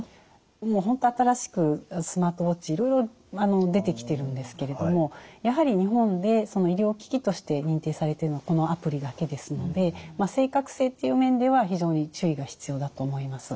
もう本当新しくスマートウォッチいろいろ出てきてるんですけれどもやはり日本で医療機器として認定されているのはこのアプリだけですので正確性という面では非常に注意が必要だと思います。